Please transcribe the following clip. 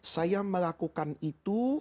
saya melakukan itu